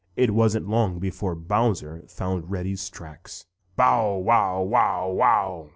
It wasn't long before Bowser found Reddy's tracks. "Bow, wow, wow, wow!"